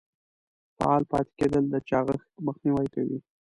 فعال پاتې کیدل د چاغښت مخنیوی کوي.